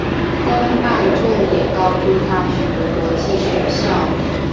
公办重点高中大学国际学校